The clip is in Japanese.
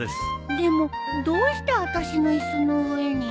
でもどうしてあたしの椅子の上に？